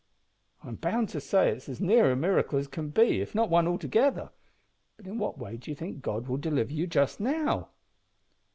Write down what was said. "I'm bound to say it's as near a miracle as can be, if not one altogether. But in what way do you think God will deliver you just now?"